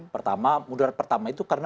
pertama modern pertama itu karena